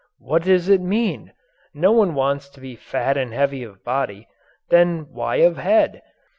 What does it mean? No one wants to be fat and heavy of body then why of head?